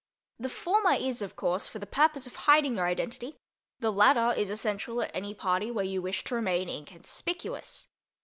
The former is, of course, for the purpose of hiding your identity; the latter is essential at any party where you wish to remain inconspicuous.